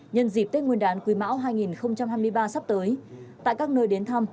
nhân dịp tết nguyên đán quý mão hai nghìn hai mươi ba sắp tới tại các nơi đến thăm